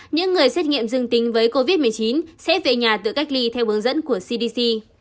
những người xét nghiệm dương tính với covid một mươi chín sẽ về nhà tự cách ly theo hướng dẫn của cdc